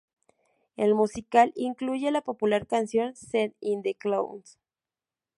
El musical incluye la popular canción "Send in the Clowns".